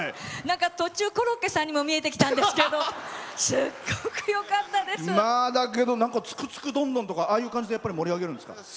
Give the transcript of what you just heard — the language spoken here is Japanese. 途中、コロッケさんにも見えてきたんですけどつくつくどんどんとかああいう感じで盛り上げるんですか？